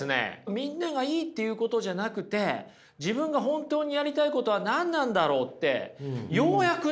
みんなが「いい」って言うことじゃなくて自分が本当にやりたいことは何なんだろうってようやくね